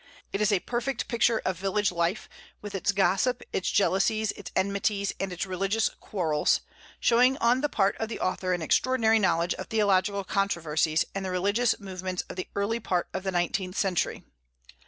It is a perfect picture of village life, with its gossip, its jealousies, its enmities, and its religious quarrels, showing on the part of the author an extraordinary knowledge of theological controversies and the religious movements of the early part of the nineteenth century.